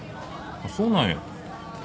そうなんや。